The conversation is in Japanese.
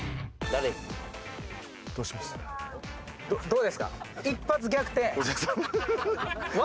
どうですか？